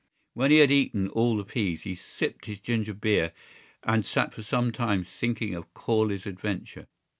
When he had eaten all the peas he sipped his ginger beer and sat for some time thinking of Corley's adventure.